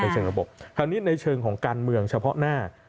คราวนี้ในเชิงของการเมืองเฉพาะหน้า